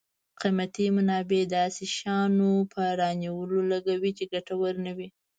قیمتي منابع داسې شیانو په رانیولو لګوي چې ګټور نه وي.